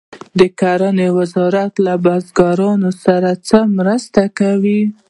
د کرنې وزارت له بزګرانو سره څه مرسته کوي؟